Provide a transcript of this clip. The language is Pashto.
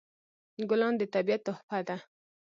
ګلان د طبیعت تحفه ده.